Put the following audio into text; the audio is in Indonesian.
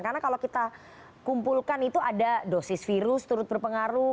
karena kalau kita kumpulkan itu ada dosis virus turut berpengaruh